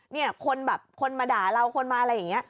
เนี่ยคนแบบคนมาด่าเราคนมาอะไรอย่างนี้